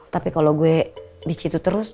tapi kalo gue disitu terus